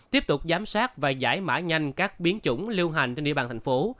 tiếp tục giám sát và giải mã nhanh các biến chủng lưu hành trên địa bàn thành phố